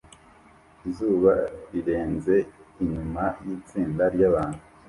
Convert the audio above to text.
Izuba rirenze inyuma yitsinda ryabantu